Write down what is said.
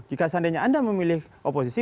jika seandainya anda memilih oposisi